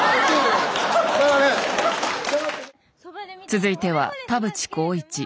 続いては田淵幸一。